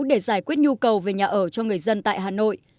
để giải quyết nhu cầu về nhà ở cho người dân tại hà nội